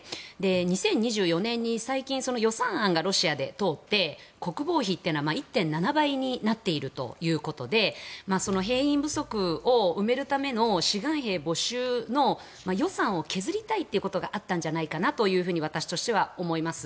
２０２４年に最近、予算案がロシアで通って国防費が１．７倍になっているということでその兵員不足を埋めるための志願兵募集の予算を削りたいということがあったんじゃないかなと私としては思います。